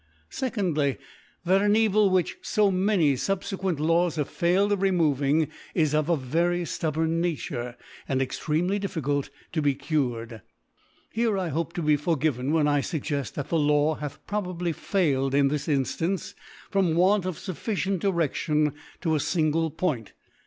2^/y, That an Evil which fo many fubfequent Laws have failed of renioving, is of a very ftubborn Nattire^ and extremely difficult to be cured. • 17 Geo n. c. 5. G 5 Here »v ..( 130 ) Here I hope to be forgivcn^^ when I lug ged, that the Law hath probably failed in this Inftance, from Want of fufficient Di reftion to a Gngle Point.